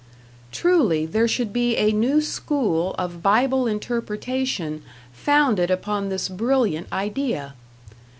Truly, there should be a new school of Bible interpretation founded upon this brilliant idea.